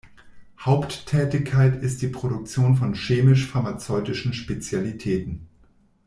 Haupttätigkeit ist die Produktion von chemisch-pharmazeutischen Spezialitäten.